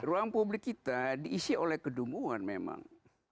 ruang publik kita diisi oleh kedunguan memang